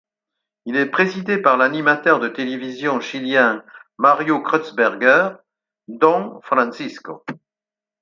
Il est présidé par l'animateur de télévision chilien Mario Kreutzberger, Don Francisco.